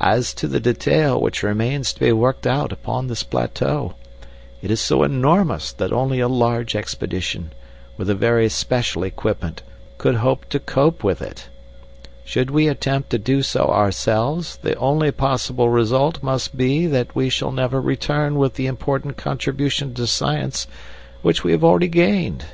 As to the detail which remains to be worked out upon this plateau, it is so enormous that only a large expedition, with a very special equipment, could hope to cope with it. Should we attempt to do so ourselves, the only possible result must be that we shall never return with the important contribution to science which we have already gained.